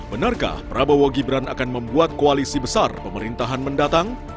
benarkah prabowo gibran akan membuat koalisi besar pemerintahan mendatang